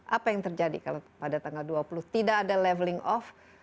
apa yang terjadi kalau pada tanggal dua puluh tidak ada leveling off